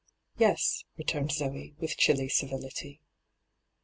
' Yes/ returned Zee, with chilly civility.